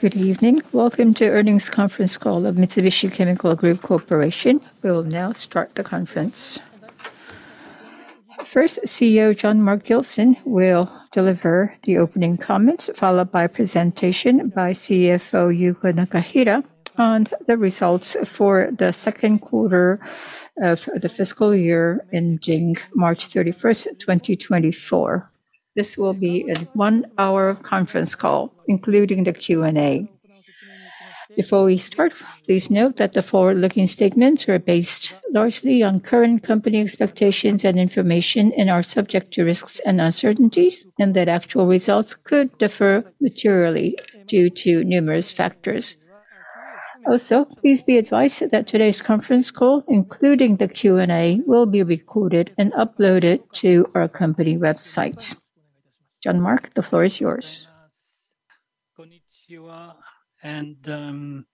Good evening. Welcome to Earnings Conference Call of Mitsubishi Chemical Group Corporation. We will now start the conference. First, CEO Jean-Marc Gilson will deliver the opening comments, followed by a presentation by CFO Yuko Nakahira on the results for the second quarter of the fiscal year ending March 31st, 2024. This will be a one-hour conference call, including the Q&A. Before we start, please note that the forward-looking statements are based largely on current company expectations and information, and are subject to risks and uncertainties, and that actual results could differ materially due to numerous factors. Also, please be advised that today's conference call, including the Q&A, will be recorded and uploaded to our company website. Jean-Marc, the floor is yours. Konnichiwa, and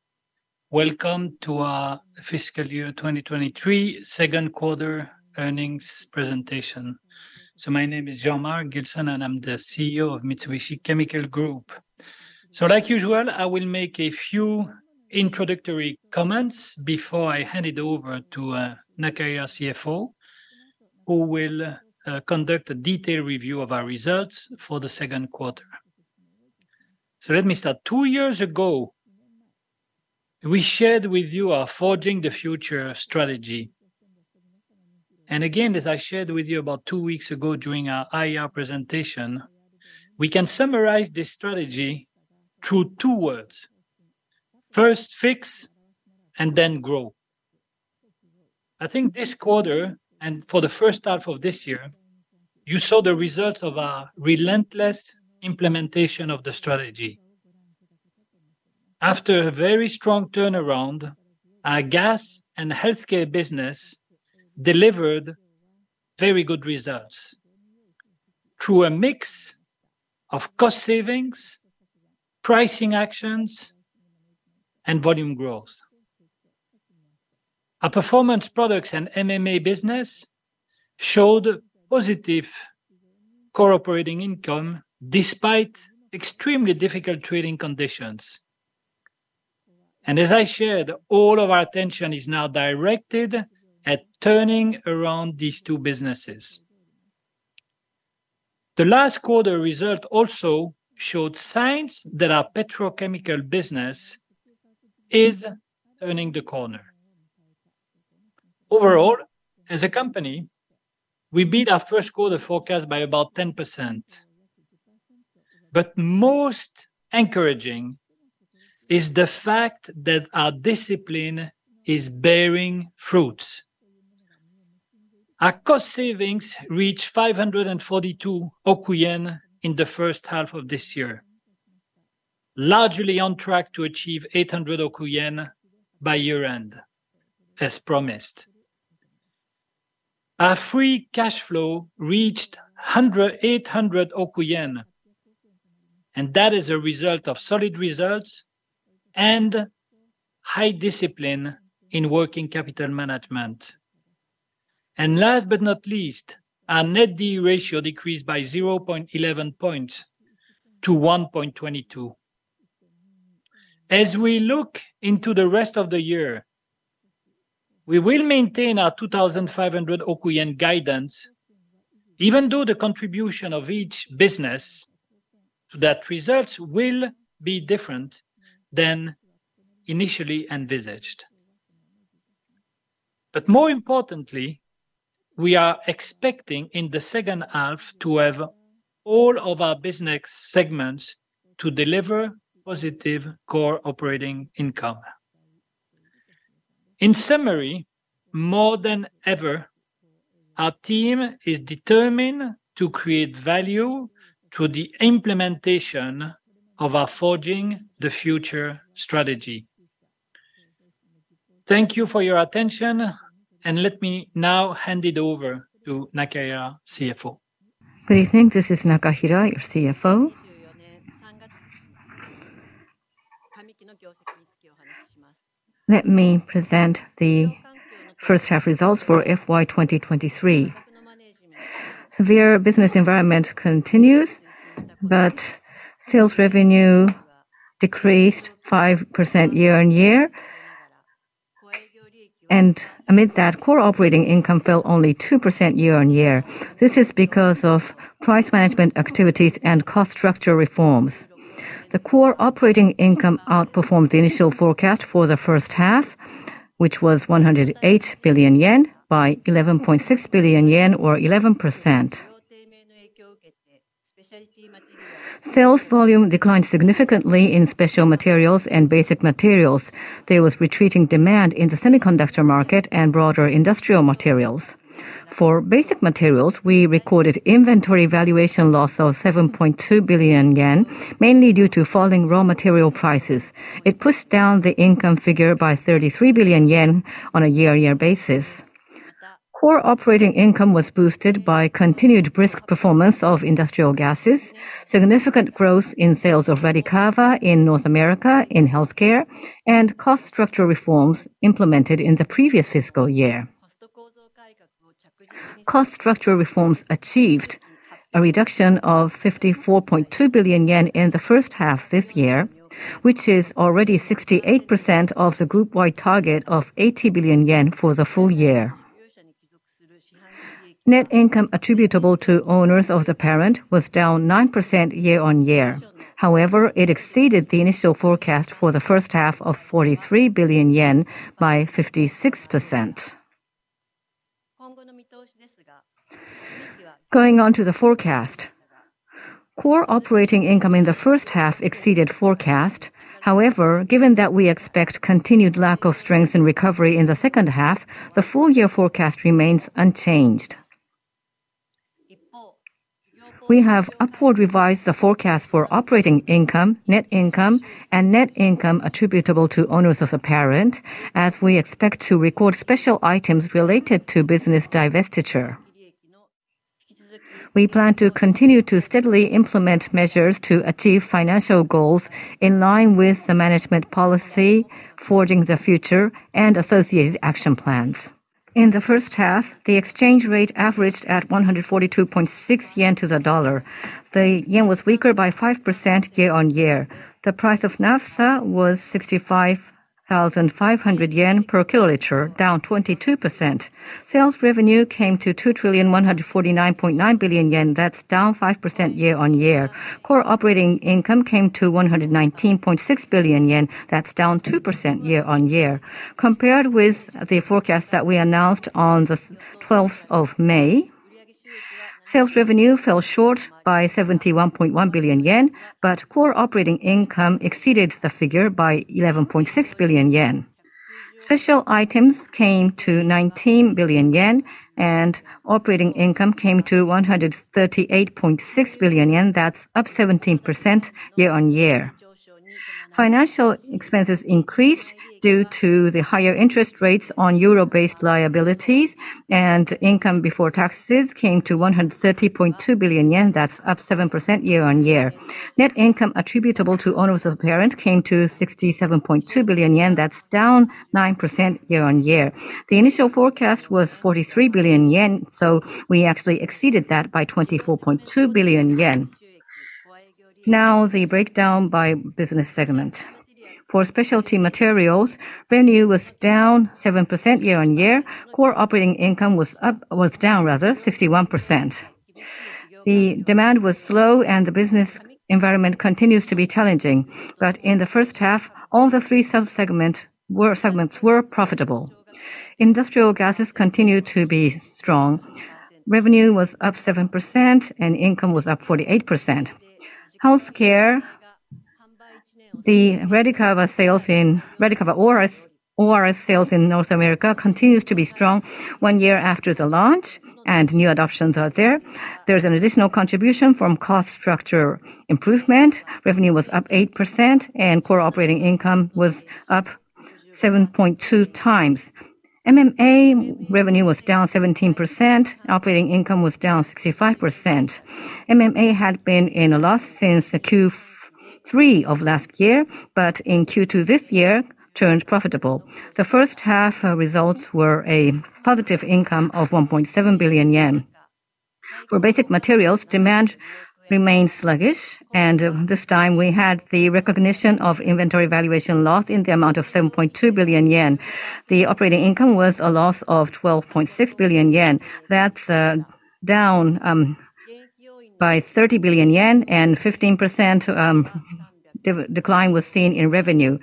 welcome to our Fiscal Year 2023 Second Quarter Earnings Presentation. My name is Jean-Marc Gilson, and I'm the CEO of Mitsubishi Chemical Group. Like usual, I will make a few introductory comments before I hand it over to Nakahira, CFO, who will conduct a detailed review of our results for the second quarter. Let me start. Two years ago, we shared with you our Forging the Future strategy. And again, as I shared with you about two weeks ago during our IR presentation, we can summarize this strategy through two words: first, fix, and then grow. I think this quarter, and for the first half of this year, you saw the results of our relentless implementation of the strategy. After a very strong turnaround, our gas and healthcare business delivered very good results through a mix of cost savings, pricing actions, and volume growth. Our Performance Products and MMA business showed positive Core Operating Income, despite extremely difficult trading conditions. As I shared, all of our attention is now directed at turning around these two businesses. The last quarter results also showed signs that our petrochemical business is turning the corner. Overall, as a company, we beat our first quarter forecast by about 10%. Most encouraging is the fact that our discipline is bearing fruits. Our cost savings reached 54.2 billion yen in the first half of this year, largely on track to achieve 80 billion yen by year-end, as promised. Our free cash flow reached 800, and that is a result of solid results and high discipline in working capital management. And last but not least, our net debt ratio decreased by 0.11 points to 1.22. As we look into the rest of the year, we will maintain our 2,500 guidance, even though the contribution of each business, that results will be different than initially envisaged. But more importantly, we are expecting in the second half to have all of our business segments to deliver positive Core Operating Income. In summary, more than ever, our team is determined to create value through the implementation of our Forging the Future strategy. Thank you for your attention, and let me now hand it over to Nakahira, CFO. Good evening. This is Nakahira, your CFO. Let me present the first half results for FY 2023. Severe business environment continues, but sales revenue decreased 5% year-on-year, and amid that, core operating income fell only 2% year-on-year. This is because of price management activities and cost structure reforms. The core operating income outperformed the initial forecast for the first half, which was 108 billion yen by 11.6 billion yen, or 11%. Sales volume declined significantly in special materials and basic materials. There was retreating demand in the semiconductor market and broader industrial materials. For basic materials, we recorded inventory valuation loss of 7.2 billion yen, mainly due to falling raw material prices. It pushed down the income figure by 33 billion yen on a year-on-year basis. Core Operating Income was boosted by continued brisk performance of industrial gases, significant growth in sales of RADICAVA in North America in healthcare, and cost structure reforms implemented in the previous fiscal year. Cost structural reforms achieved a reduction of 54.2 billion yen in the first half this year, which is already 68% of the group-wide target of 80 billion yen for the full year. Net income attributable to owners of the parent was down 9% year-on-year. However, it exceeded the initial forecast for the first half of 43 billion yen by 56%. Going on to the forecast. Core Operating Income in the first half exceeded forecast. However, given that we expect continued lack of strength and recovery in the second half, the full year forecast remains unchanged. We have upward revised the forecast for operating income, net income, and net income attributable to owners of the parent, as we expect to record special items related to business divestiture. We plan to continue to steadily implement measures to achieve financial goals in line with the management policy, Forging the Future and associated action plans. In the first half, the exchange rate averaged at 142.6 yen to the USD. The yen was weaker by 5% year-on-year. The price of naphtha was 65,500 yen per kiloliter, down 22%. Sales revenue came to 2,149.9 billion yen, that's down 5% year-on-year. Core Operating Income came to 119.6 billion yen, that's down 2% year-on-year. Compared with the forecast that we announced on the 12th of May, sales revenue fell short by 71.1 billion yen, but core operating income exceeded the figure by 11.6 billion yen. Special items came to 19 billion yen, and operating income came to 138.6 billion yen, that's up 17% year-on-year. Financial expenses increased due to the higher interest rates on euro-based liabilities, and income before taxes came to 130.2 billion yen, that's up 7% year-on-year. Net income attributable to owners of parent came to 67.2 billion yen, that's down 9% year-on-year. The initial forecast was 43 billion yen, so we actually exceeded that by 24.2 billion yen. Now, the breakdown by business segment. For specialty materials, revenue was down 7% year-on-year. Core Operating Income was up- was down rather, 61%. The demand was slow, and the business environment continues to be challenging. But in the first half, all three sub-segments were profitable. Industrial gases continued to be strong. Revenue was up 7% and income was up 48%. Healthcare, the RADICAVA sales in, RADICAVA ORS, ORS sales in North America continues to be strong one year after the launch, and new adoptions are there. There's an additional contribution from cost structure improvement. Revenue was up 8%, and Core Operating Income was up 7.2 times. MMA revenue was down 17%, operating income was down 65%. MMA had been in a loss since the Q3 of last year, but in Q2 this year, turned profitable. The first half results were a positive income of 1.7 billion yen. For basic materials, demand remained sluggish, and this time we had the recognition of inventory valuation loss in the amount of 7.2 billion yen. The operating income was a loss of 12.6 billion yen. That's down by 30 billion yen, and 15% decline was seen in revenue.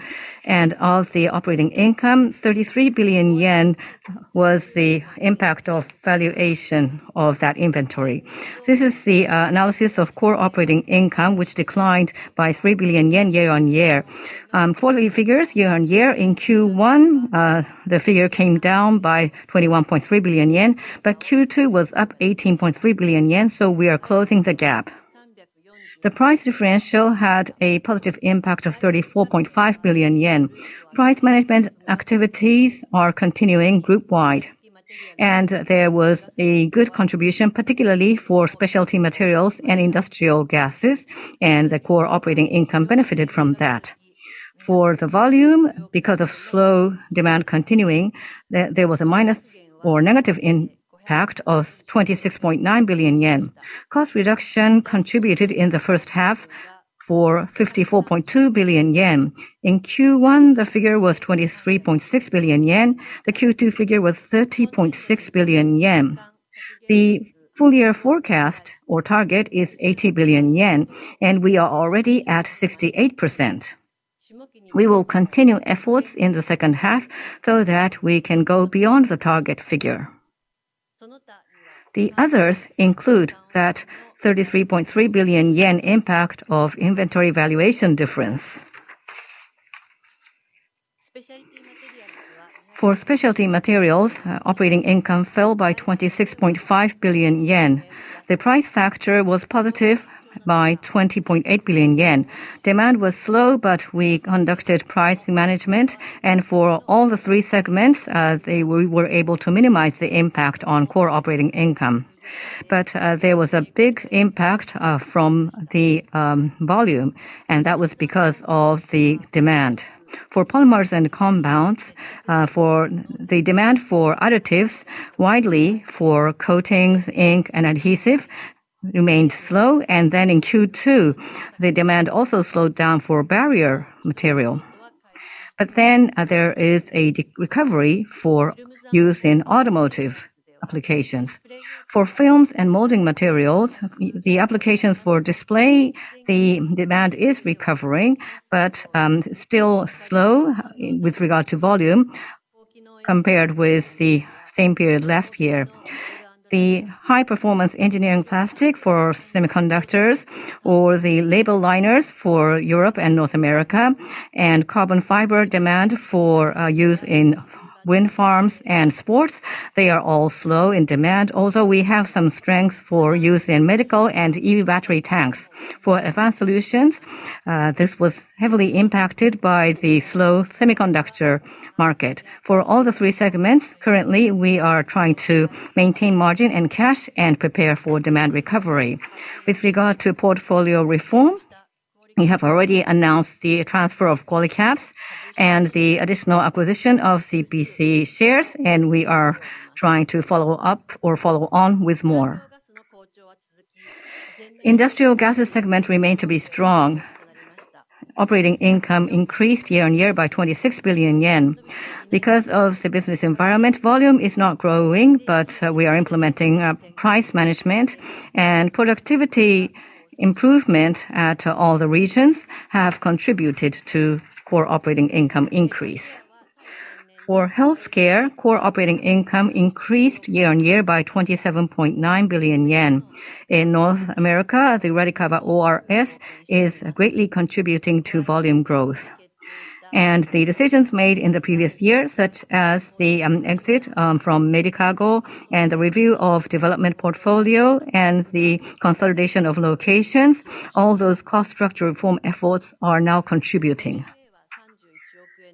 Of the operating income, 33 billion yen was the impact of valuation of that inventory. This is the analysis of Core Operating Income, which declined by 3 billion yen year-on-year. Quarterly figures year-on-year in Q1, the figure came down by 21.3 billion yen, but Q2 was up 18.3 billion yen, so we are closing the gap. The price differential had a positive impact of 34.5 billion yen. Price management activities are continuing group-wide, and there was a good contribution, particularly for specialty materials and industrial gases, and the Core Operating Income benefited from that. For the volume, because of slow demand continuing, there was a minus or negative impact of 26.9 billion yen. Cost reduction contributed in the first half for 54.2 billion yen. In Q1, the figure was 23.6 billion yen. The Q2 figure was 30.6 billion yen. The full year forecast or target is 80 billion yen, and we are already at 68%. We will continue efforts in the second half so that we can go beyond the target figure. The others include that 33.3 billion yen impact of inventory valuation difference. For specialty materials, operating income fell by 26.5 billion yen. The price factor was positive by 20.8 billion yen. Demand was slow, but we conducted price management, and for all the three segments, we were able to minimize the impact on Core Operating Income, but there was a big impact from the volume, and that was because of the demand. For polymers and compounds, for the demand for additives, widely for coatings, ink, and adhesive remained slow, and then in Q2, the demand also slowed down for barrier material. But then, there is a recovery for use in automotive applications. For films and molding materials, the applications for display, the demand is recovering, but still slow with regard to volume compared with the same period last year. The high-performance engineering plastic for semiconductors or the label liners for Europe and North America, and carbon fiber demand for use in wind farms and sports, they are all slow in demand. Although we have some strength for use in medical and EV battery tanks. For advanced solutions, this was heavily impacted by the slow semiconductor market. For all the three segments, currently, we are trying to maintain margin and cash and prepare for demand recovery. With regard to portfolio reform, we have already announced the transfer of Qualicaps and the additional acquisition of CPC shares, and we are trying to follow up or follow on with more. Industrial gases segment remain to be strong. Operating income increased year-on-year by 26 billion yen. Because of the business environment, volume is not growing, but we are implementing price management and productivity improvement to all the regions have contributed to core operating income increase. For healthcare, core operating income increased year-over-year by 27.9 billion yen. In North America, the RADICAVA ORS is greatly contributing to volume growth. And the decisions made in the previous year, such as the exit from Medicago and the review of development portfolio and the consolidation of locations, all those cost structure reform efforts are now contributing.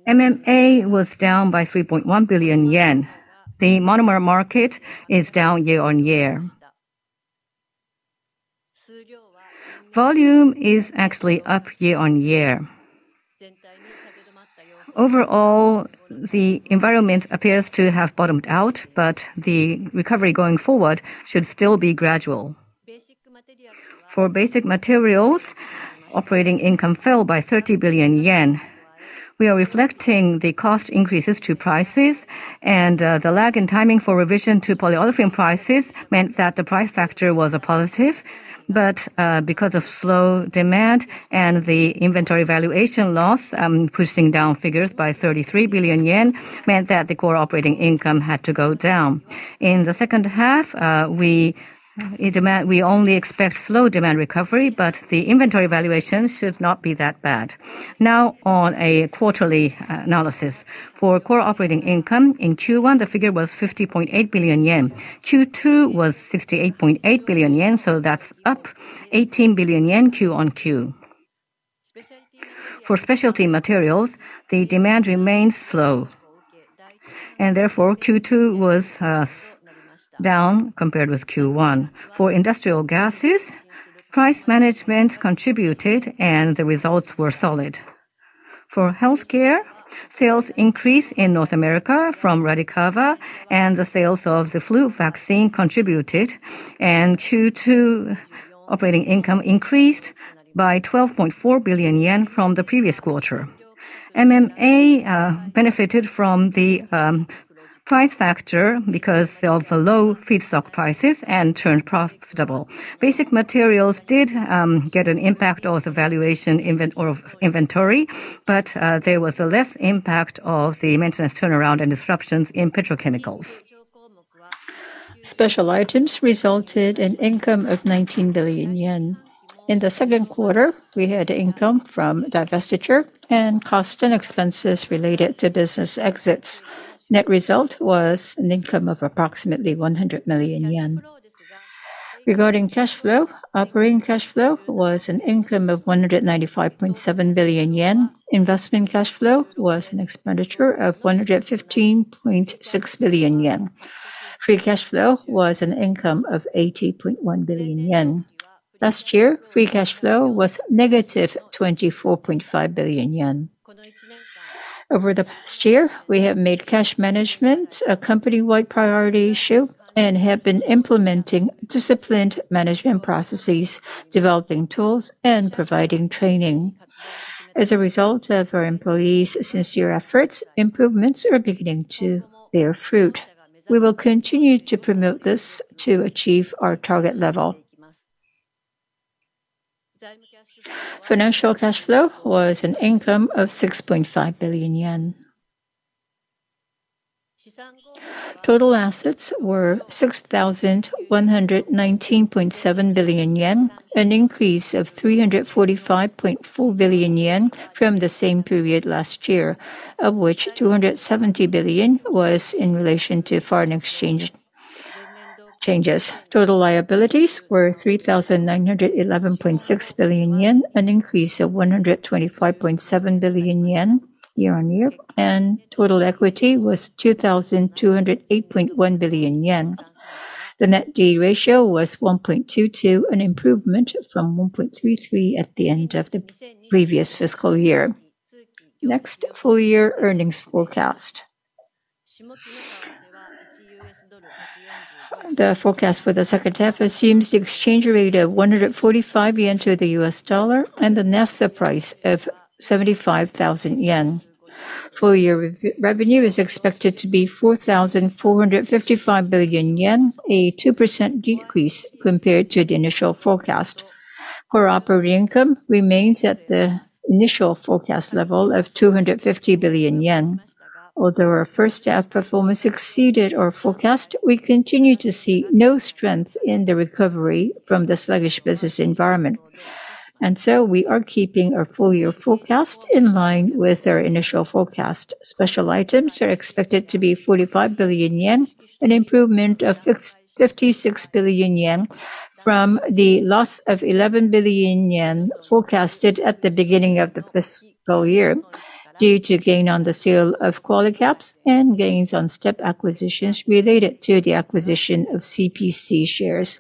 MMA was down by 3.1 billion yen. The monomer market is down year-over-year. Volume is actually up year-over-year. Overall, the environment appears to have bottomed out, but the recovery going forward should still be gradual. For basic materials, operating income fell by 30 billion yen. We are reflecting the cost increases to prices, and the lag in timing for revision to polyolefin prices meant that the price factor was a positive. But because of slow demand and the inventory valuation loss pushing down figures by 33 billion yen meant that the core operating income had to go down. In the second half, we only expect slow demand recovery, but the inventory valuation should not be that bad. Now, on a quarterly analysis. For core operating income in Q1, the figure was 50.8 billion yen. Q2 was 68.8 billion yen, so that's up 18 billion yen Q-on-Q. For specialty materials, the demand remains slow, and therefore, Q2 was down compared with Q1. For industrial gases, price management contributed, and the results were solid. For healthcare, sales increase in North America from RADICAVA and the sales of the flu vaccine contributed, and Q2 operating income increased by 12.4 billion yen from the previous quarter. MMA benefited from the price factor because of the low feedstock prices and turned profitable. Basic materials did get an impact of the valuation of inventory, but there was a less impact of the maintenance turnaround and disruptions in petrochemicals. Special items resulted in income of 19 billion yen. In the second quarter, we had income from divestiture and costs and expenses related to business exits. Net result was an income of approximately 100 million yen. Regarding cash flow, operating cash flow was an income of 195.7 billion yen. Investment cash flow was an expenditure of 115.6 billion yen. Free cash flow was an income of 80.1 billion yen. Last year, free cash flow was -24.5 billion yen. Over the past year, we have made cash management a company-wide priority issue and have been implementing disciplined management processes, developing tools, and providing training. As a result of our employees' sincere efforts, improvements are beginning to bear fruit. We will continue to promote this to achieve our target level. Financial cash flow was an income of 6.5 billion yen. Total assets were 6,119.7 billion yen, an increase of 345.4 billion yen from the same period last year, of which 270 billion was in relation to foreign exchange changes. Total liabilities were 3,911.6 billion yen, an increase of 125.7 billion yen year-on-year, and total equity was 2,208.1 billion yen. The net debt ratio was 1.22, an improvement from 1.33 at the end of the previous fiscal year. Next, full year earnings forecast. The forecast for the second half assumes the exchange rate of 145 yen to the U.S. dollar and the naphtha price of 75,000 yen. Full year revenue is expected to be 4,455 billion yen, a 2% decrease compared to the initial forecast. Core operating income remains at the initial forecast level of 250 billion yen. Although our first half performance exceeded our forecast, we continue to see no strength in the recovery from the sluggish business environment. So we are keeping our full-year forecast in line with our initial forecast. Special items are expected to be 45 billion yen, an improvement of 56 billion yen from the loss of 11 billion yen forecasted at the beginning of the fiscal year, due to gain on the sale of Qualicaps and gains on step acquisitions related to the acquisition of CPC shares.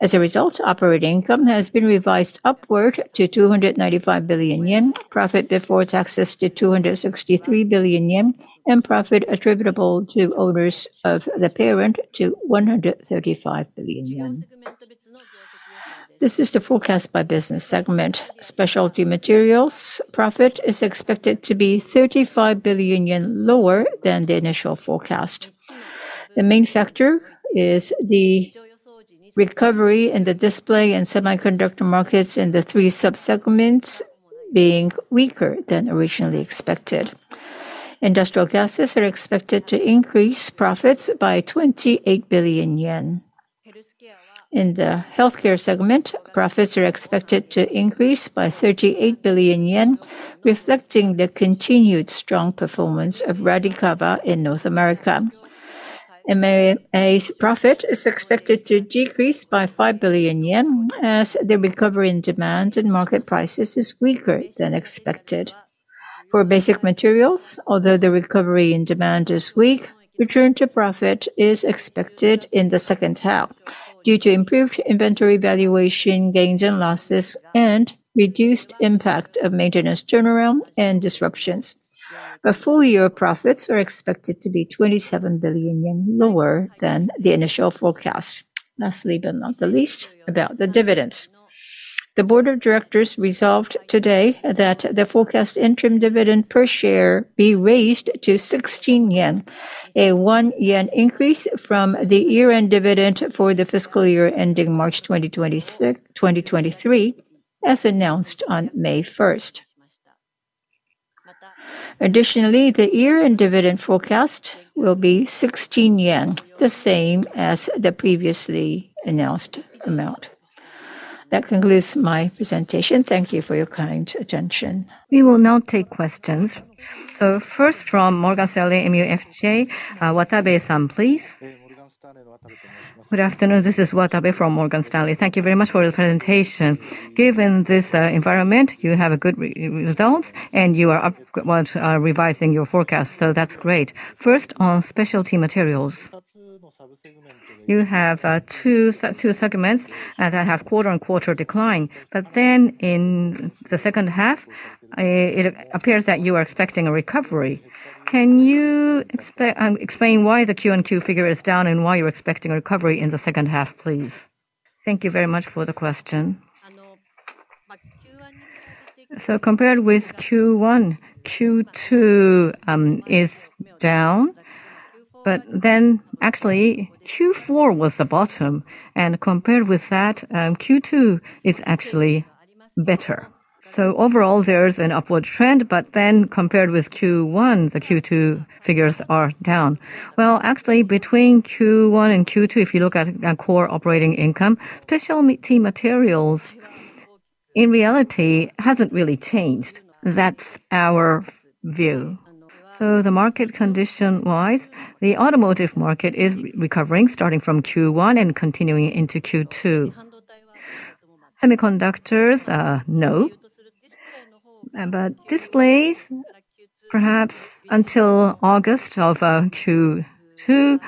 As a result, operating income has been revised upward to 295 billion yen, profit before taxes to 263 billion yen, and profit attributable to owners of the parent to 135 billion yen. This is the forecast by business segment. Specialty materials profit is expected to be 35 billion yen lower than the initial forecast. The main factor is the recovery in the display and semiconductor markets in the three sub-segments being weaker than originally expected. Industrial gases are expected to increase profits by 28 billion yen. In the healthcare segment, profits are expected to increase by 38 billion yen, reflecting the continued strong performance of RADICAVA in North America. MMA's profit is expected to decrease by 5 billion yen, as the recovery in demand and market prices is weaker than expected. For basic materials, although the recovery in demand is weak, return to profit is expected in the second half due to improved inventory valuation, gains and losses, and reduced impact of maintenance turnaround and disruptions. But full year profits are expected to be 27 billion yen lower than the initial forecast. Lastly, but not the least, about the dividends. The board of directors resolved today that the forecast interim dividend per share be raised to 16 yen, a 1 yen increase from the year-end dividend for the fiscal year ending March 2023, as announced on May 1st. Additionally, the year-end dividend forecast will be 16 yen, the same as the previously announced amount. That concludes my presentation. Thank you for your kind attention. We will now take questions. So first from Morgan Stanley MUFG, Watabe, please. Good afternoon, this is Watabe from Morgan Stanley. Thank you very much for the presentation. Given this environment, you have good results, and you are up while revising your forecast, so that's great. First, on specialty materials. You have two segments that have quarter-on-quarter decline, but then in the second half, it appears that you are expecting a recovery. Can you explain why the Q-on-Q figure is down, and why you're expecting a recovery in the second half, please? Thank you very much for the question. So compared with Q1, Q2 is down, but then actually, Q4 was the bottom, and compared with that, Q2 is actually better. So overall, there is an upward trend, but then compared with Q1, the Q2 figures are down. Well, actually, between Q1 and Q2, if you look at Core Operating Income, Specialty Materials, in reality, hasn't really changed. That's our view. So the market condition-wise, the automotive market is recovering, starting from Q1 and continuing into Q2. Semiconductors, no. But displays, perhaps until August of Q2,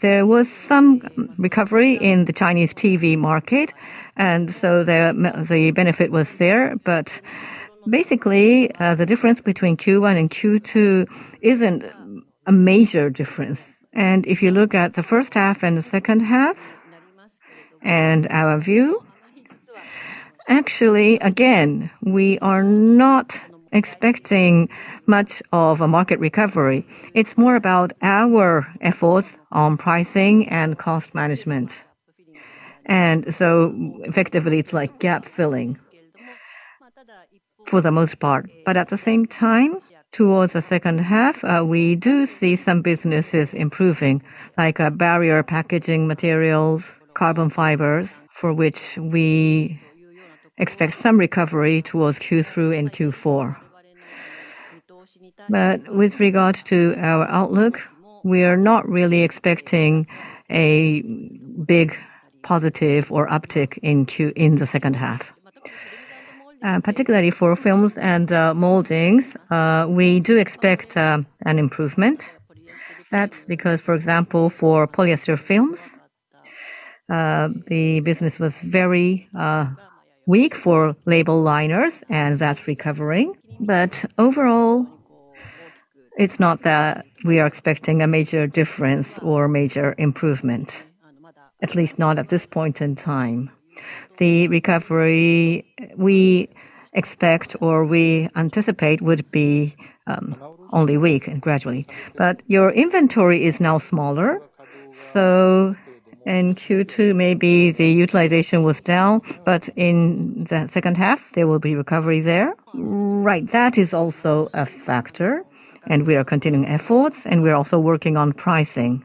there was some recovery in the Chinese TV market, and so the benefit was there. But basically, the difference between Q1 and Q2 isn't a major difference. And if you look at the first half and the second half, and our view, actually, again, we are not expecting much of a market recovery. It's more about our efforts on pricing and cost management. And so effectively, it's like gap filling, for the most part. But at the same time, towards the second half, we do see some businesses improving, like our barrier packaging materials, carbon fibers, for which we expect some recovery towards Q3 and Q4. But with regards to our outlook, we are not really expecting a big positive or uptick in Q, in the second half? Particularly for films and, moldings, we do expect, an improvement. That's because, for example, for polyester films, the business was very, weak for label liners, and that's recovering. But overall, it's not that we are expecting a major difference or major improvement, at least not at this point in time. The recovery we expect or we anticipate would be, only weak and gradually. But your inventory is now smaller, so in Q2, maybe the utilization was down, but in the second half, there will be recovery there. Right, that is also a factor, and we are continuing efforts, and we're also working on pricing.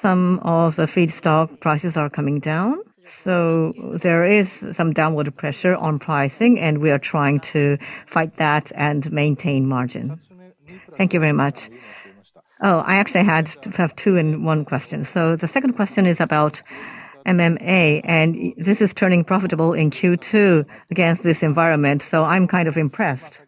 Some of the feedstock prices are coming down, so there is some downward pressure on pricing, and we are trying to fight that and maintain margin. Thank you very much. Oh, I actually had to have two in one question. So the second question is about MMA, and this is turning profitable in Q2 against this environment, so I'm kind of impressed.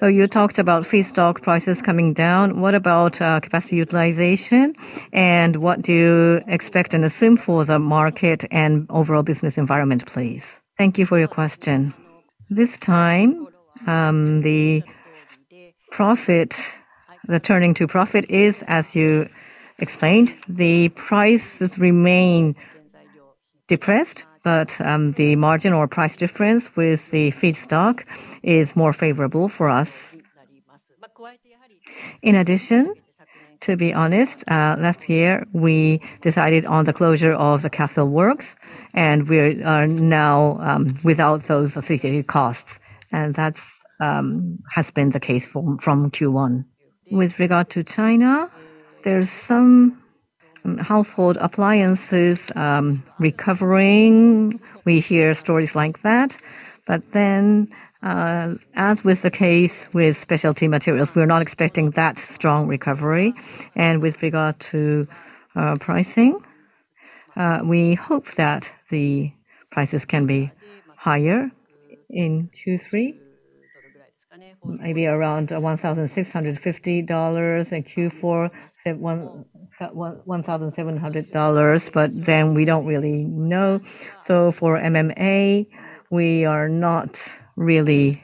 So you talked about feedstock prices coming down. What about capacity utilization, and what do you expect and assume for the market and overall business environment, please? Thank you for your question. This time, the profit, the turning to profit is, as you explained, the prices remain depressed, but the margin or price difference with the feedstock is more favorable for us. In addition, to be honest, last year, we decided on the closure of the Cassel Works, and we are now without those associated costs, and that's has been the case from Q1. With regard to China, there's some household appliances recovering. We hear stories like that. But then, as with the case with specialty materials, we're not expecting that strong recovery. And with regard to, pricing, we hope that the prices can be higher in Q3, maybe around, $1,650, and Q4, $1,700, but then we don't really know. So for MMA, we are not really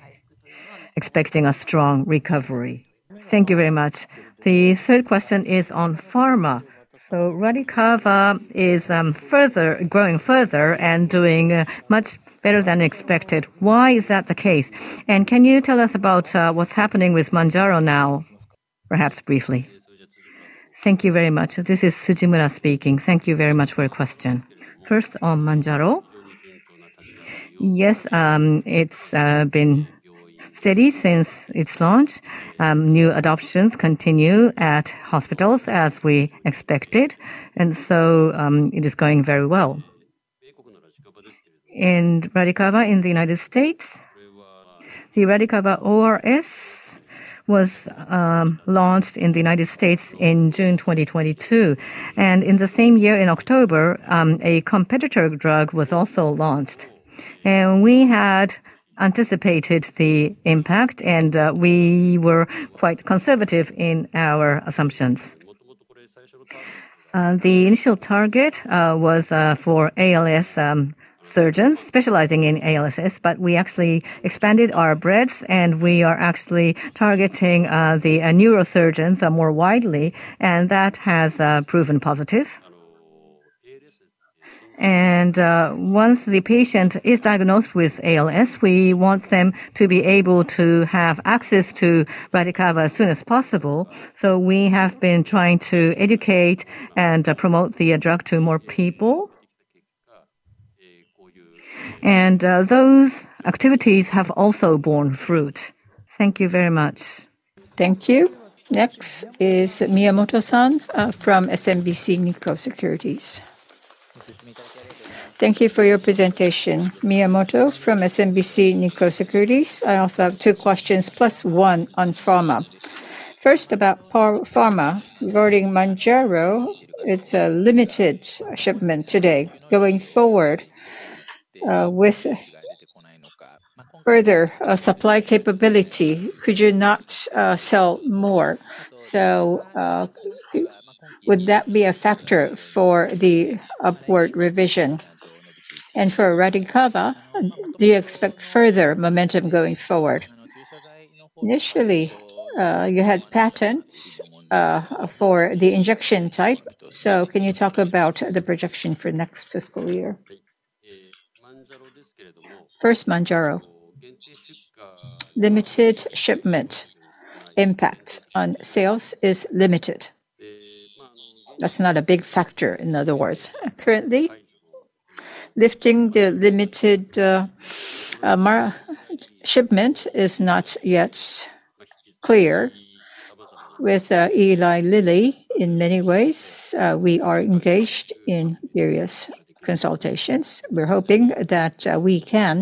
expecting a strong recovery. Thank you very much. The third question is on pharma. So RADICAVA is further growing further and doing much better than expected. Why is that the case? And can you tell us about, what's happening with Mounjaro now, perhaps briefly? Thank you very much. This is Tsujimura speaking. Thank you very much for your question. First, on Mounjaro. Yes, it's been steady since its launch. New adoptions continue at hospitals as we expected, and so, it is going very well. RADICAVA in the United States, the RADICAVA ORS was launched in the United States in June 2022. In the same year, in October, a competitor drug was also launched. We had anticipated the impact, and we were quite conservative in our assumptions. The initial target was for ALS surgeons specializing in ALS, but we actually expanded our breadth, and we are actually targeting the neurosurgeons more widely, and that has proven positive. Once the patient is diagnosed with ALS, we want them to be able to have access to RADICAVA as soon as possible. We have been trying to educate and promote the drug to more people. Those activities have also borne fruit. Thank you very much. Thank you. Next is Miyamoto from SMBC Nikko Securities. Thank you for your presentation. Miyamoto from SMBC Nikko Securities. I also have two questions, plus one on pharma. First, about pharma, regarding Mounjaro, it's a limited shipment today. Going forward, with further supply capability, could you not sell more? So, would that be a factor for the upward revision? And for RADICAVA, do you expect further momentum going forward? Initially, you had patents for the injection type, so can you talk about the projection for next fiscal year? First, Mounjaro. Limited shipment impact on sales is limited. That's not a big factor, in other words. Currently, lifting the limited shipment is not yet clear. With Eli Lilly, in many ways, we are engaged in various consultations. We're hoping that we can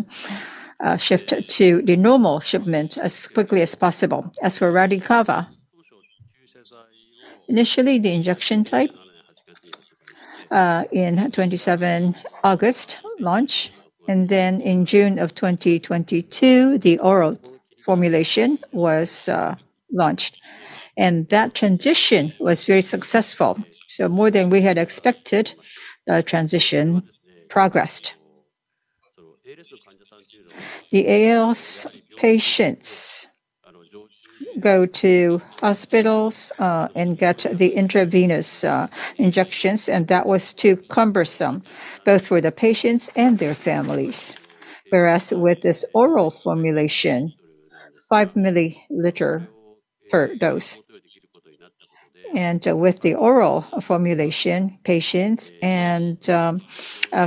shift to the normal shipment as quickly as possible. As for RADICAVA initially, the injection type, in 27 August launch, and then in June of 2022, the oral formulation was launched. That transition was very successful. More than we had expected, transition progressed. The ALS patients go to hospitals and get the intravenous injections, and that was too cumbersome, both for the patients and their families. Whereas with this oral formulation, 5 ml per dose. With the oral formulation, patients and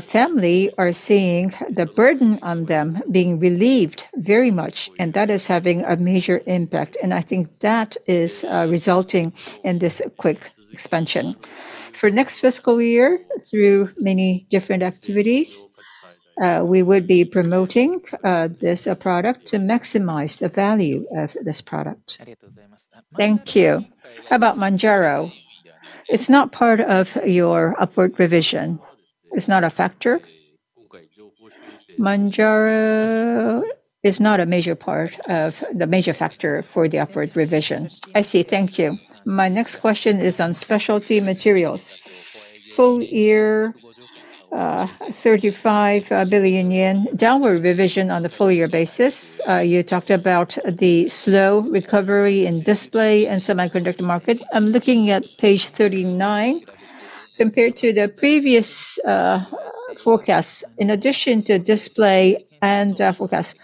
family are seeing the burden on them being relieved very much, and that is having a major impact, and I think that is resulting in this quick expansion. For next fiscal year, through many different activities, we would be promoting this product to maximize the value of this product. Thank you. How about Mounjaro? It's not part of your upward revision. It's not a factor? Mounjaro is not a major part of the major factor for the upward revision. I see. Thank you. My next question is on specialty materials. Full year, 35 billion yen, downward revision on the full year basis. You talked about the slow recovery in display and semiconductor market. I'm looking at page 39. Compared to the previous forecast, in addition to display and forecast,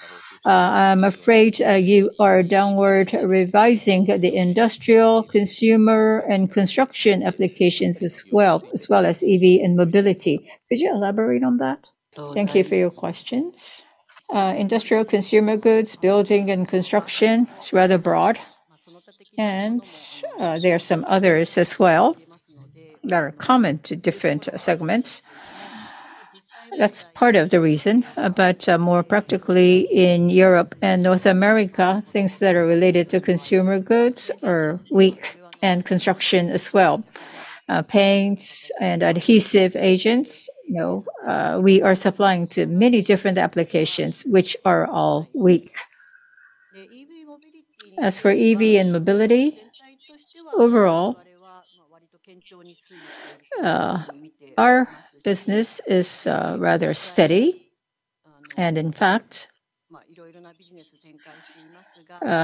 I'm afraid you are downward revising the industrial, consumer, and construction applications as well as EV and mobility. Could you elaborate on that? Thank you for your questions. Industrial consumer goods, building and construction is rather broad, and there are some others as well that are common to different segments. That's part of the reason, but, more practically in Europe and North America, things that are related to consumer goods are weak and construction as well. Paints and adhesive agents, you know, we are supplying to many different applications, which are all weak. As for EV and mobility, overall, our business is, rather steady. And in fact,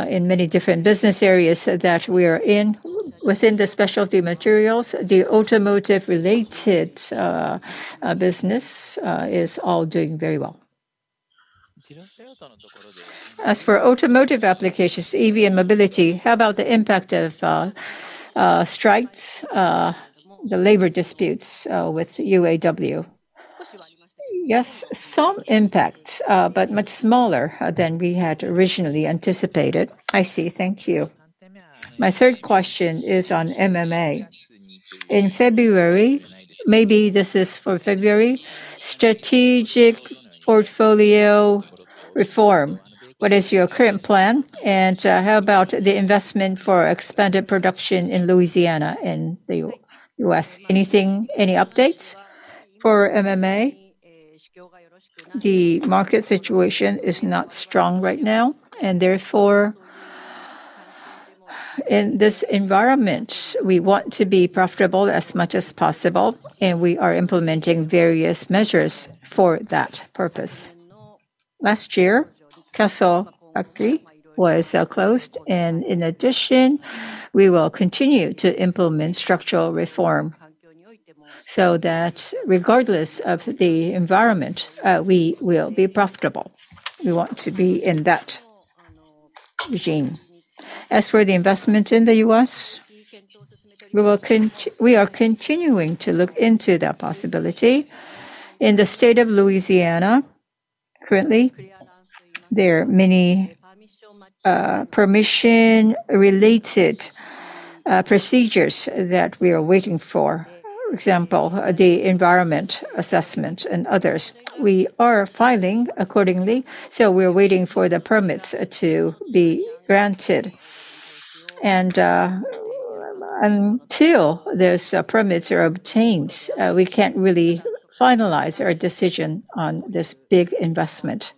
in many different business areas that we are in, within the specialty materials, the automotive related, business, is all doing very well. As for automotive applications, EV and mobility, how about the impact of, strikes, the labor disputes, with UAW? Yes, some impact, but much smaller, than we had originally anticipated. I see. Thank you. My third question is on MMA. In February, maybe this is for February, strategic portfolio reform. What is your current plan, and how about the investment for expanded production in Louisiana and the U.S.? Anything, any updates? For MMA, the market situation is not strong right now, and therefore, in this environment, we want to be profitable as much as possible, and we are implementing various measures for that purpose. Last year, Kashima factory was closed, and in addition, we will continue to implement structural reform so that regardless of the environment, we will be profitable. We want to be in that regime. As for the investment in the U.S., we are continuing to look into that possibility. In the state of Louisiana, currently, there are many permission-related procedures that we are waiting for. For example, the environmental assessment and others. We are filing accordingly, so we're waiting for the permits to be granted. Until those permits are obtained, we can't really finalize our decision on this big investment.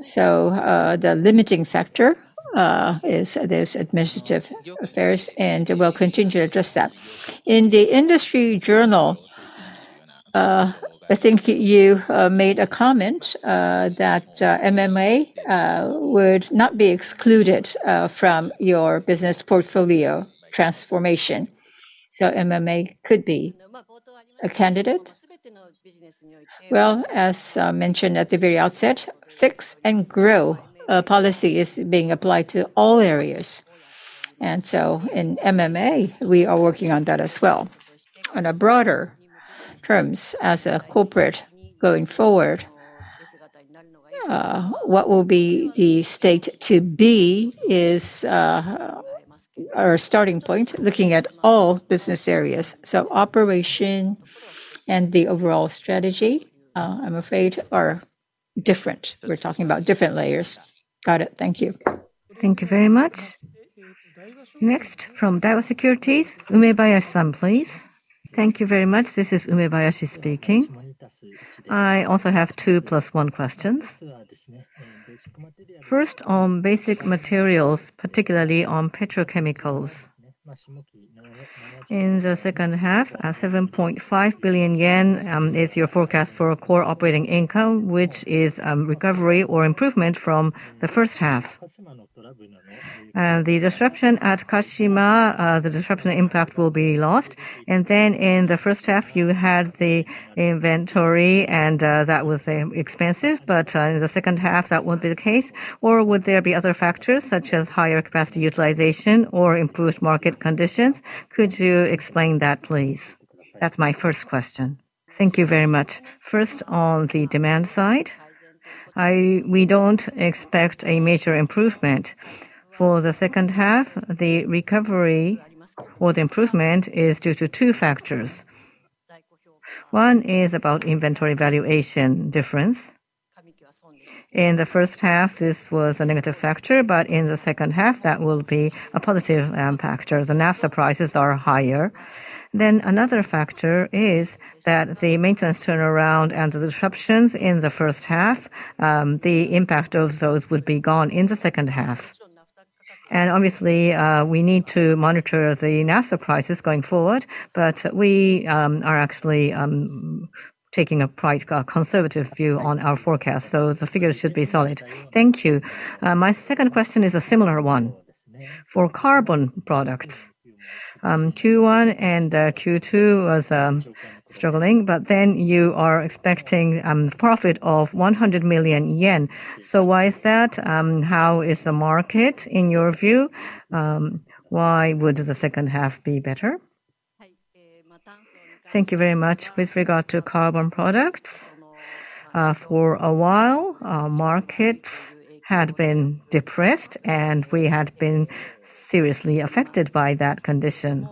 So, the limiting factor is those administrative affairs, and we'll continue to address that. In the industry journal, I think you made a comment that MMA would not be excluded from your business portfolio transformation, so MMA could be a candidate? Well, as mentioned at the very outset, fix and grow policy is being applied to all areas. And so in MMA, we are working on that as well. On a broader terms, as a corporate going forward, what will be the state to be is our starting point, looking at all business areas. So operation and the overall strategy, I'm afraid are different. We're talking about different layers. Got it. Thank you. Thank you very much. Next, from Daiwa Securities, Umebayashi, please. Thank you very much. This is Umebayashi speaking. I also have two + one questions. First, on basic materials, particularly on petrochemicals. In the second half, at 7.5 billion yen, is your forecast for a Core Operating Income, which is, recovery or improvement from the first half? The disruption at Kashima, the disruption impact will be lost, and then in the first half, you had the inventory and, that was, expensive, but, in the second half that won't be the case. Or would there be other factors such as higher capacity utilization or improved market conditions? Could you explain that, please? That's my first question. Thank you very much. First, on the demand side, we don't expect a major improvement. For the second half, the recovery or the improvement is due to two factors. One is about inventory valuation difference. In the first half, this was a negative factor, but in the second half, that will be a positive factor. The naphtha prices are higher. Then another factor is that the maintenance turnaround and the disruptions in the first half, the impact of those would be gone in the second half. And obviously, we need to monitor the naphtha prices going forward, but we are actually taking a quite conservative view on our forecast, so the figures should be solid. Thank you. My second question is a similar one. For carbon products, Q1 and Q2 was struggling, but then you are expecting profit of 100 million yen. So why is that? How is the market in your view? Why would the second half be better? Thank you very much. With regard to carbon products, for a while, our markets had been depressed and we had been seriously affected by that condition.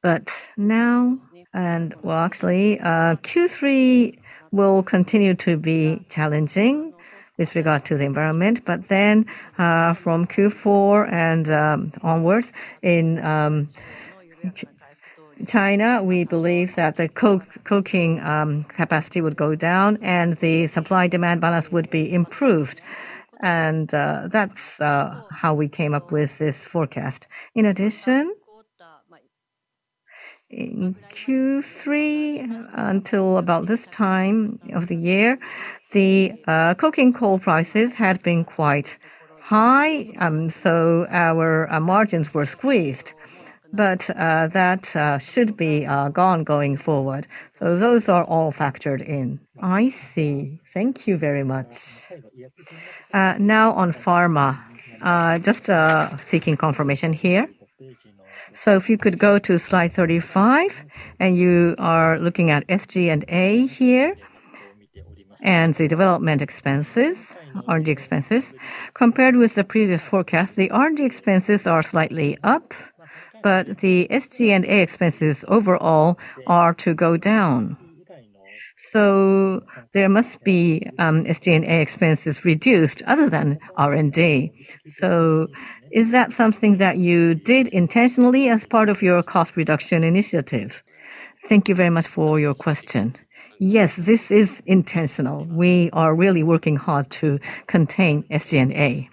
But now, well, actually, Q3 will continue to be challenging with regard to the environment, but then, from Q4 and onwards, in China, we believe that the coking capacity would go down and the supply-demand balance would be improved. And that's how we came up with this forecast. In addition, in Q3, until about this time of the year, the coking coal prices had been quite high, so our margins were squeezed, but that should be gone going forward. So those are all factored in. I see. Thank you very much. Now on pharma, just seeking confirmation here. So if you could go to Slide 35, and you are looking at SG&A here, and the development expenses, RD expenses. Compared with the previous forecast, the RD expenses are slightly up, but the SG&A expenses overall are to go down. So there must be SG&A expenses reduced other than RD. So is that something that you did intentionally as part of your cost reduction initiative? Thank you very much for your question. Yes, this is intentional. We are really working hard to contain SG&A.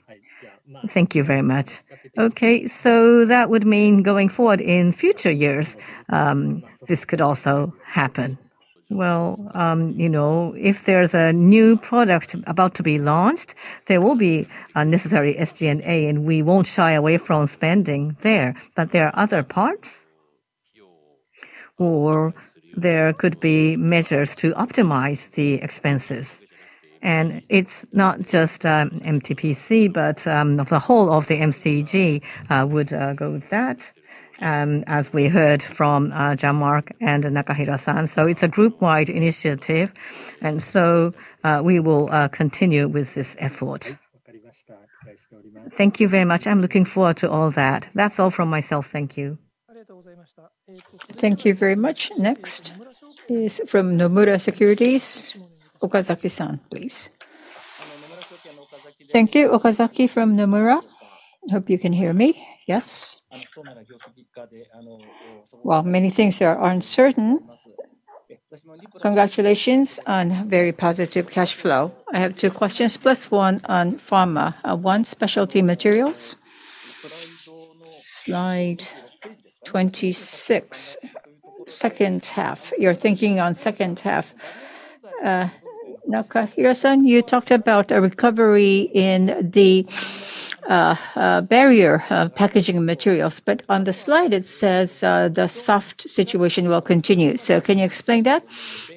Thank you very much. Okay, so that would mean going forward in future years, this could also happen? Well, you know, if there's a new product about to be launched, there will be a necessary SG&A, and we won't shy away from spending there. But there are other parts where there could be measures to optimize the expenses. It's not just MTPC, but the whole of the MCG would go with that, as we heard from Jean-Marc and Nakahira. It's a group-wide initiative, and so we will continue with this effort. Thank you very much. I'm looking forward to all that. That's all from myself. Thank you. Thank you very much. Next is from Nomura Securities. Okazaki, please. Thank you. Okazaki from Nomura. Hope you can hear me. Yes? While many things are uncertain, congratulations on very positive cash flow. I have two questions, plus one on pharma. One, specialty materials. Slide 26, second half. You're thinking on second half. Nakahira, you talked about a recovery in the barrier of packaging materials, but on the slide it says the soft situation will continue. So can you explain that?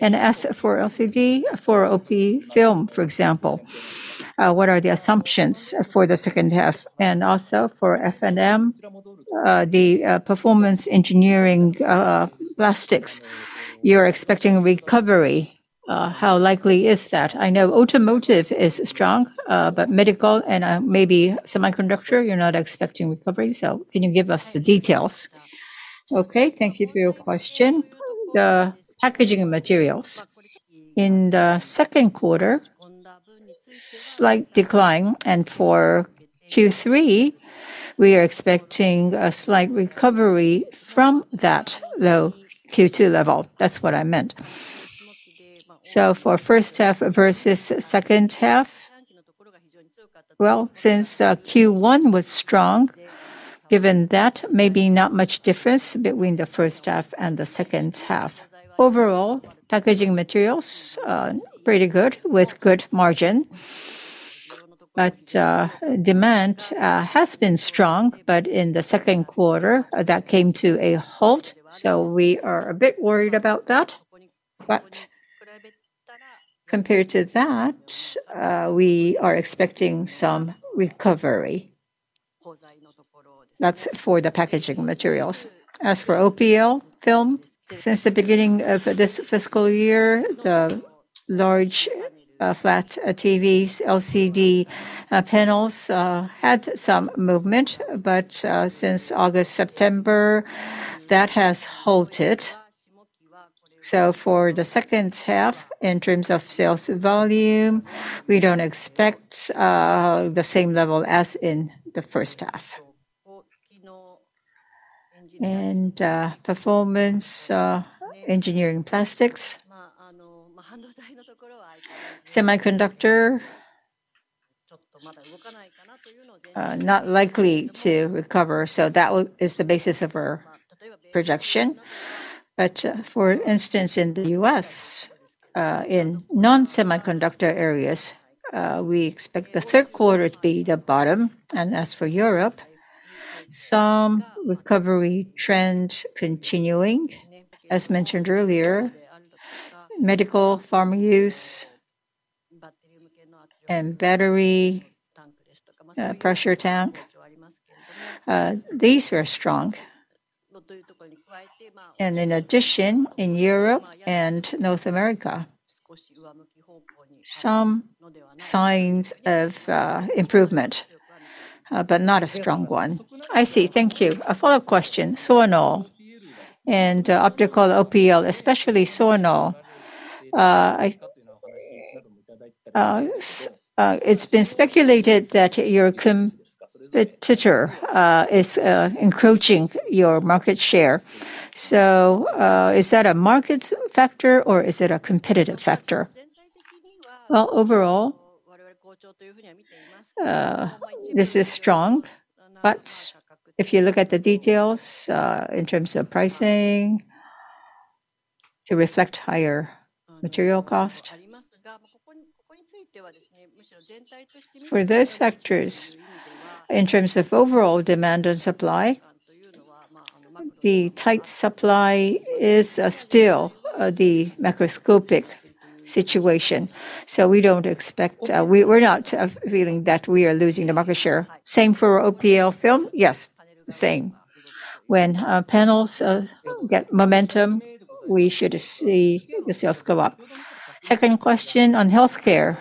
And as for LCD, for OP film, for example, what are the assumptions for the second half? And also for F&M, the performance engineering plastics, you're expecting recovery. How likely is that? I know automotive is strong, but medical and maybe semiconductor, you're not expecting recovery. So can you give us the details? Okay, thank you for your question. The packaging and materials. In the second quarter, slight decline, and for Q3, we are expecting a slight recovery from that low Q2 level. That's what I meant. So for first half versus second half, well, since Q1 was strong, given that, maybe not much difference between the first half and the second half. Overall, packaging materials, pretty good, with good margin. But, demand, has been strong, but in the second quarter, that came to a halt, so we are a bit worried about that. But compared to that, we are expecting some recovery. That's for the packaging materials. As for OPL Film, since the beginning of this fiscal year, the large, flat, TVs, LCD, panels, had some movement, but, since August, September, that has halted. So for the second half, in terms of sales volume, we don't expect the same level as in the first half. And performance engineering plastics, semiconductor not likely to recover, so that is the basis of our projection. But for instance, in the U.S., in non-semiconductor areas, we expect the third quarter to be the bottom. And as for Europe, some recovery trend continuing. As mentioned earlier, medical, pharma use, and battery pressure tank, these were strong. And in addition, in Europe and North America, some signs of improvement, but not a strong one. I see. Thank you. A follow-up question. Soarnol and optical OPL, especially Soarnol. It's been speculated that your competitor is encroaching your market share. So, is that a market factor or is it a competitive factor? Well, overall, this is strong, but if you look at the details, in terms of pricing to reflect higher material cost, for those factors, in terms of overall demand and supply, the tight supply is, still, the macroscopic situation, so we don't expect... We, we're not, feeling that we are losing the market share. Same for OPL Film? Yes, same. When our panels get momentum, we should see the sales go up. Second question on healthcare,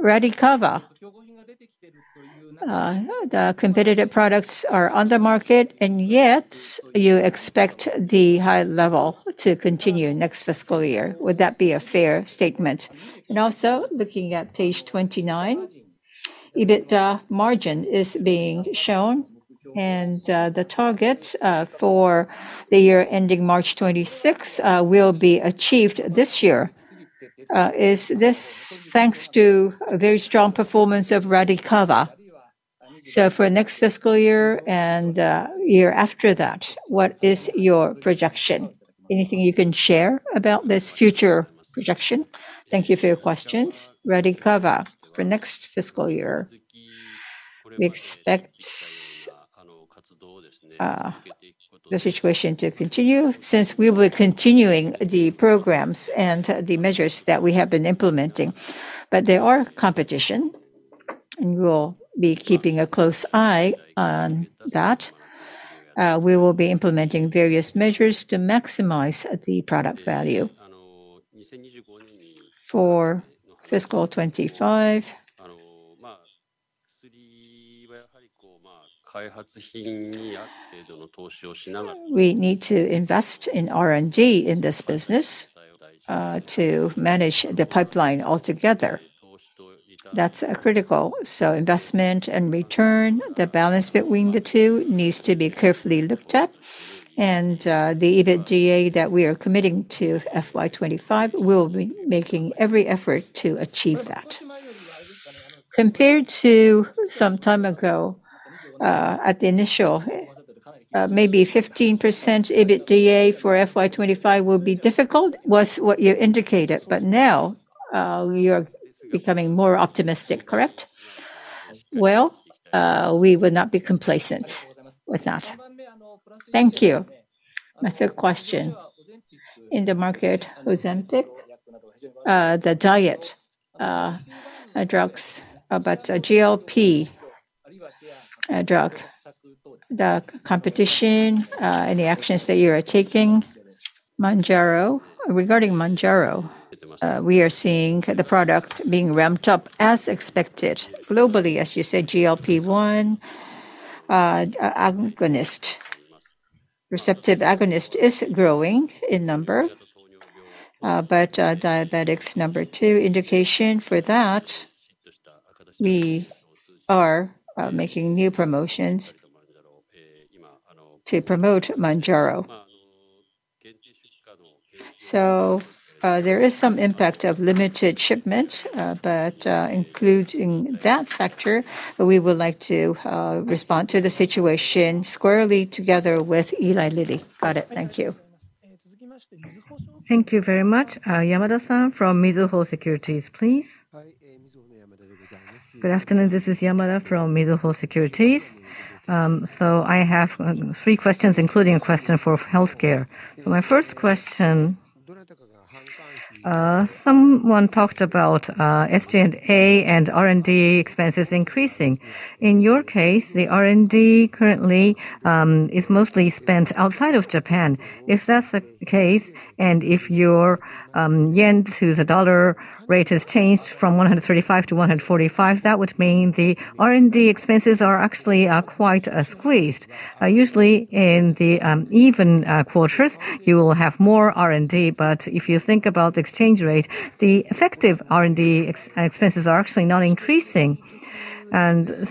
RADICAVA. The competitive products are on the market, and yet you expect the high level to continue next fiscal year. Would that be a fair statement? Also, looking at Page 29, EBITDA margin is being shown, and the target for the year ending March 2026 will be achieved this year. Is this thanks to a very strong performance of RADICAVA? So for next fiscal year and year after that, what is your projection? Anything you can share about this future projection? Thank you for your questions. RADICAVA, for next fiscal year, we expect the situation to continue, since we were continuing the programs and the measures that we have been implementing. But there are competition, and we will be keeping a close eye on that. We will be implementing various measures to maximize the product value. For fiscal 2025, we need to invest in R&D in this business to manage the pipeline altogether. That's critical. So investment and return, the balance between the two needs to be carefully looked at, and the EBITDA that we are committing to FY 2025, we'll be making every effort to achieve that. Compared to some time ago, at the initial, maybe 15% EBITDA for FY 2025 will be difficult, was what you indicated, but now, you're becoming more optimistic, correct? Well, we would not be complacent with that. Thank you. My third question. In the market, Ozempic, the diet drugs, but a GLP drug, the competition, and the actions that you are taking? Mounjaro. Regarding Mounjaro, we are seeing the product being ramped up as expected. Globally, as you said, GLP-1 receptor agonist is growing in number, but type 2 diabetics. Indication for that, we are making new promotions to promote Mounjaro. So, there is some impact of limited shipment, but including that factor, we would like to respond to the situation squarely together with Eli Lilly. Got it. Thank you. Thank you very much. Yamada from Mizuho Securities, please. Good afternoon. This is Yamada from Mizuho Securities. I have three questions, including a question for healthcare. My first question, someone talked about SG&A and R&D expenses increasing. In your case, the R&D currently is mostly spent outside of Japan. If that's the case, and if your yen to the dollar rate has changed from 135 to 145, that would mean the R&D expenses are actually quite squeezed. Usually in the even quarters, you will have more R&D, but if you think about the exchange rate, the effective R&D expenses are actually not increasing.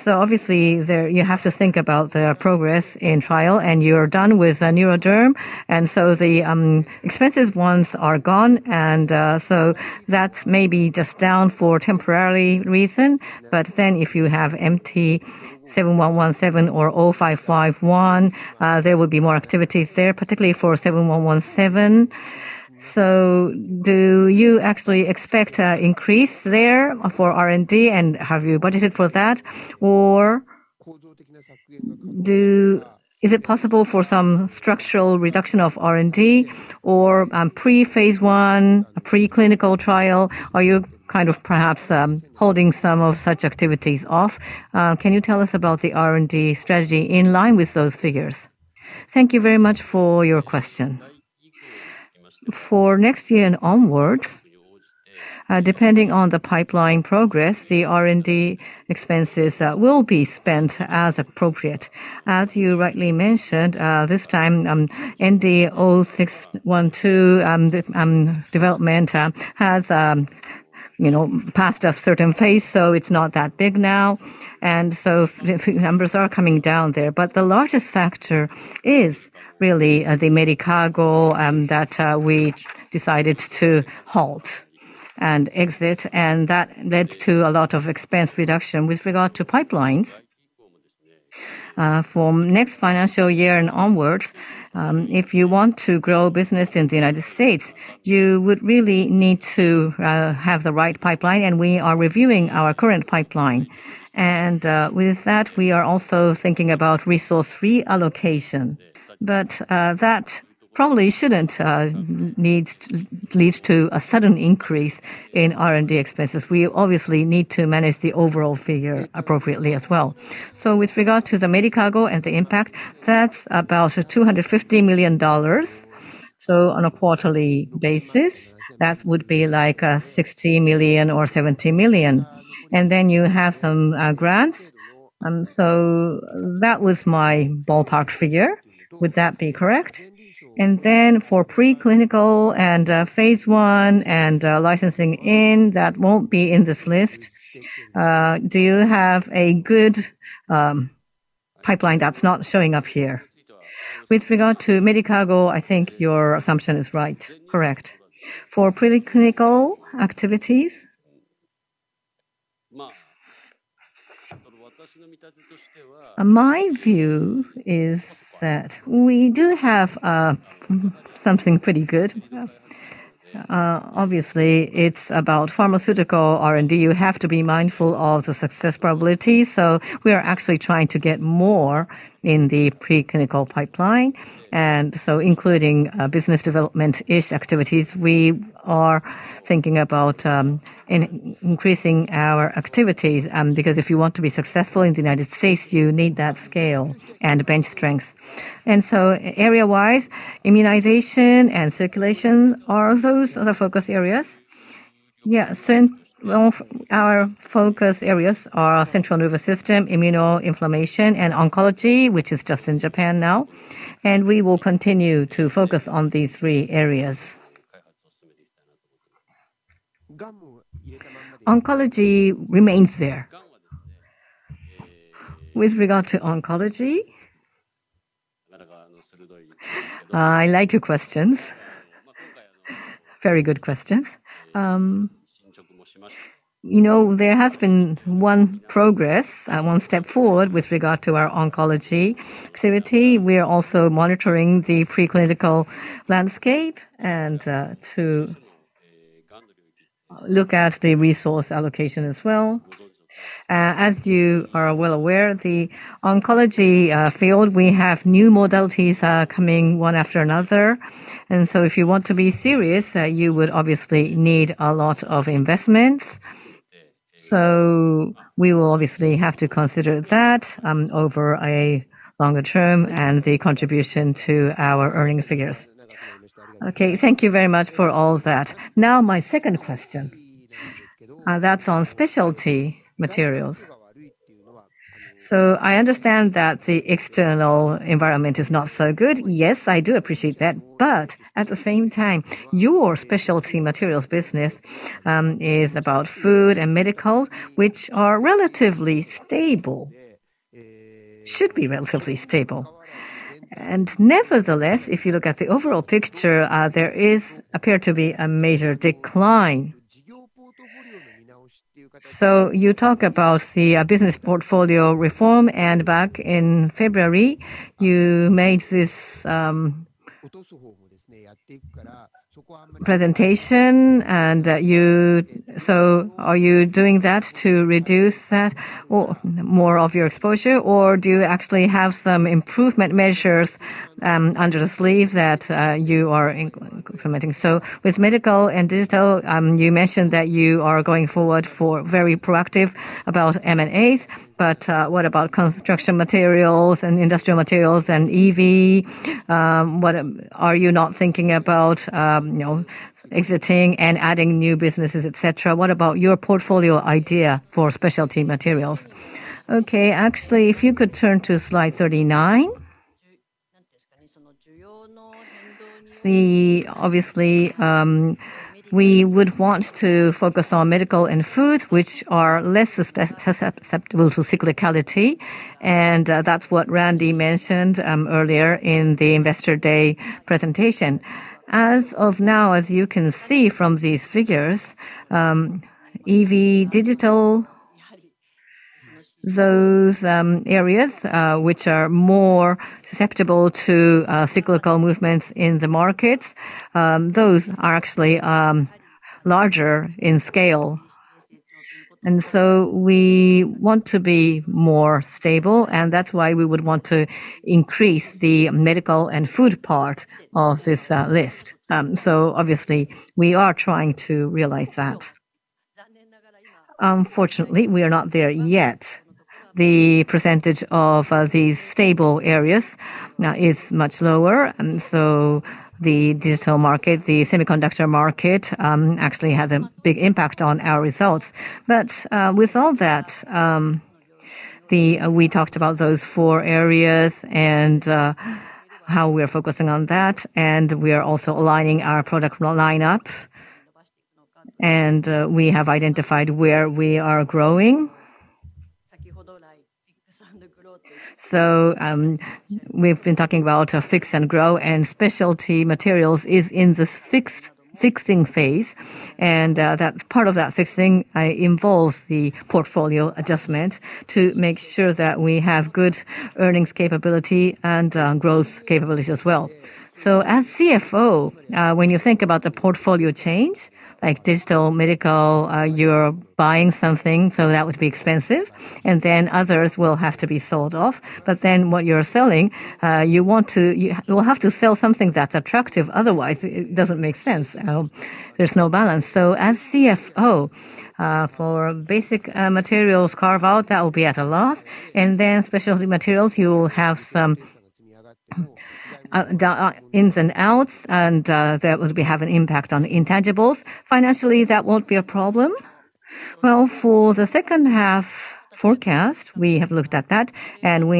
Obviously, there you have to think about the progress in trial, and you are done with NeuroDerm. And so the expensive ones are gone, and so that's maybe just down for temporary reason. But then if you have MT-7117 or 0551, there will be more activity there, particularly for 7117. So do you actually expect an increase there for R&D, and have you budgeted for that? Or is it possible for some structural reduction of R&D or pre-phase 1, preclinical trial? Are you kind of perhaps holding some of such activities off? Can you tell us about the R&D strategy in line with those figures? Thank you very much for your question. For next year and onwards, depending on the pipeline progress, the R&D expenses will be spent as appropriate. As you rightly mentioned, this time, ND0612 development has, you know, passed a certain phase, so it's not that big now, and so the numbers are coming down there. But the largest factor is really the Medicago that we decided to halt and exit, and that led to a lot of expense reduction. With regard to pipelines, from next financial year and onwards, if you want to grow business in the United States, you would really need to have the right pipeline, and we are reviewing our current pipeline. With that, we are also thinking about resource reallocation. That probably shouldn't need to lead to a sudden increase in R&D expenses. We obviously need to manage the overall figure appropriately as well. So with regard to the Medicago and the impact, that's about $250 million. So on a quarterly basis, that would be like $60 million or $70 million, and then you have some grants. So that was my ballpark figure. Would that be correct? And then for preclinical and phase I and licensing in, that won't be in this list. Do you have a good pipeline that's not showing up here? With regard to Medicago, I think your assumption is right. Correct. For preclinical activities, my view is that we do have something pretty good. Obviously, it's about pharmaceutical R&D. You have to be mindful of the success probability, so we are actually trying to get more in the preclinical pipeline. And so including business development-ish activities, we are thinking about increasing our activities because if you want to be successful in the United States, you need that scale and bench strength. And so area-wise, immunization and circulation are those the focus areas? Yes. So our focus areas are central nervous system, immunoinflammation, and oncology, which is just in Japan now, and we will continue to focus on these three areas. Oncology remains there. With regard to oncology... I like your questions. Very good questions. You know, there has been one progress, one step forward with regard to our oncology activity. We are also monitoring the preclinical landscape and to look at the resource allocation as well. As you are well aware, the oncology field, we have new modalities coming one after another, and so if you want to be serious, you would obviously need a lot of investments. So we will obviously have to consider that over a longer term and the contribution to our earnings figures. Okay, thank you very much for all that. Now, my second question, that's on specialty materials. So I understand that the external environment is not so good. Yes, I do appreciate that, but at the same time, your specialty materials business is about food and medical, which are relatively stable. Should be relatively stable. And nevertheless, if you look at the overall picture, there appears to be a major decline. So you talk about the business portfolio reform, and back in February, you made this presentation, and so are you doing that to reduce that or more of your exposure, or do you actually have some improvement measures under the sleeve that you are implementing? So with medical and digital, you mentioned that you are going forward for very proactive about M&As, but what about construction materials and industrial materials and EV? What are you not thinking about you know exiting and adding new businesses, et cetera? What about your portfolio idea for specialty materials? Okay, actually, if you could turn to Slide 39. The obviously we would want to focus on medical and food, which are less susceptible to cyclicality, and that's what Randy mentioned earlier in the Investor Day presentation. As of now, as you can see from these figures, EV, digital, those areas, which are more susceptible to cyclical movements in the markets, those are actually larger in scale. And so we want to be more stable, and that's why we would want to increase the medical and food part of this list. So obviously we are trying to realize that. Unfortunately, we are not there yet. The percentage of these stable areas now is much lower, and so the digital market, the semiconductor market actually had a big impact on our results. But with all that, we talked about those four areas and how we're focusing on that, and we are also aligning our product line up, and we have identified where we are growing. So, we've been talking about, fix and grow, and specialty materials is in this fixed, fixing phase. That's part of that fixing involves the portfolio adjustment to make sure that we have good earnings capability and, growth capabilities as well. So as CFO, when you think about the portfolio change, like digital, medical, you're buying something, so that would be expensive, and then others will have to be sold off. But then, what you're selling, you want to... You will have to sell something that's attractive, otherwise it, it doesn't make sense. There's no balance. So as CFO, for basic materials carve-out, that will be at a loss, and then specialty materials, you will have some ins and outs and, that would be have an impact on intangibles. Financially, that won't be a problem? Well, for the second half forecast, we have looked at that, and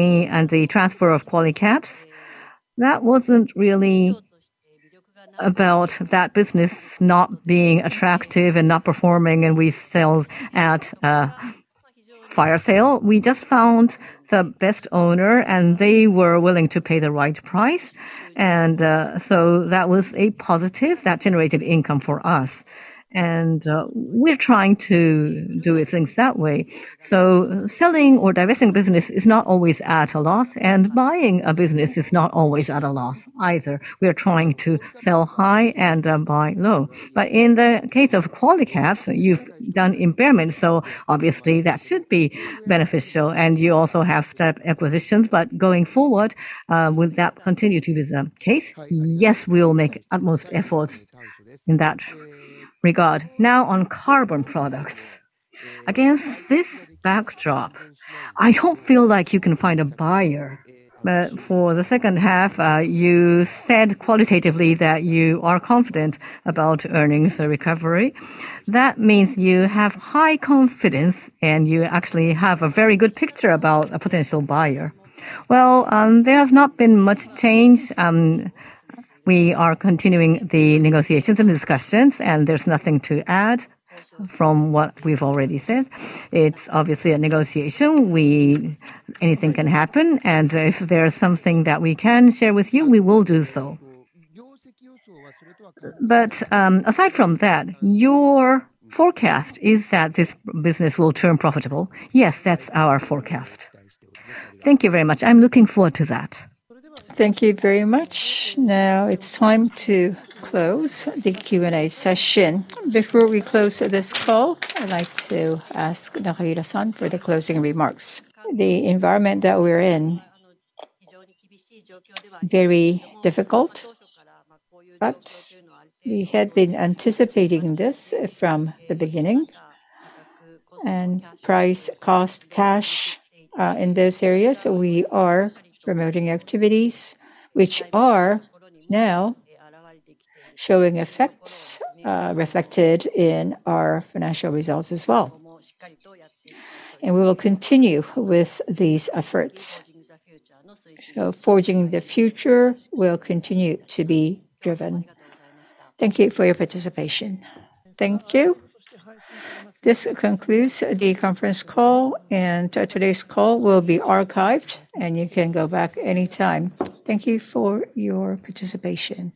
the transfer of Qualicaps, that wasn't really about that business not being attractive and not performing, and we sell at a fire sale. We just found the best owner, and they were willing to pay the right price. And, so that was a positive. That generated income for us. And, we're trying to do it things that way. So selling or divesting business is not always at a loss, and buying a business is not always at a loss either. We are trying to sell high and buy low. But in the case of Qualicaps, you've done impairment, so obviously that should be beneficial. And you also have step acquisitions, but going forward, will that continue to be the case? Yes, we will make utmost efforts in that regard. Now, on carbon products, against this backdrop, I don't feel like you can find a buyer. But for the second half, you said qualitatively that you are confident about earnings recovery. That means you have high confidence, and you actually have a very good picture about a potential buyer. Well, there's not been much change. We are continuing the negotiations and discussions, and there's nothing to add from what we've already said. It's obviously a negotiation. We... Anything can happen, and if there is something that we can share with you, we will do so. But, aside from that, your forecast is that this business will turn profitable? Yes, that's our forecast. Thank you very much. I'm looking forward to that. Thank you very much. Now it's time to close the Q&A session. Before we close this call, I'd like to ask Nakahira for the closing remarks. The environment that we're in, very difficult, but we had been anticipating this from the beginning. And price, cost, cash, in those areas, we are promoting activities which are now showing effects, reflected in our financial results as well. And we will continue with these efforts. So Forging the Future will continue to be driven. Thank you for your participation. Thank you. This concludes the conference call, and today's call will be archived, and you can go back anytime. Thank you for your participation.